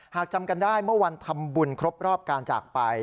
จำกันได้เมื่อวันทำบุญครบรอบการจากไป